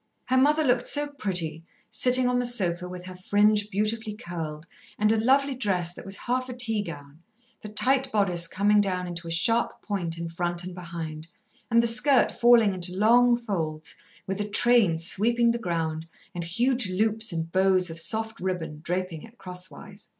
Her mother looked so pretty, sitting on the sofa with her fringe beautifully curled and a lovely dress that was half a teagown, the tight bodice coming down into a sharp point in front and behind, and the skirt falling into long folds, with a train sweeping the ground, and huge loops and bows of soft ribbon draping it cross wise.